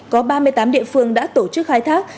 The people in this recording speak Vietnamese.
có ba mươi tám địa phương đã tổ chức khai thác